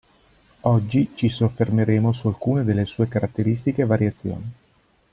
Oggi ci soffermeremo su alcune delle sue caratteristiche e variazioni.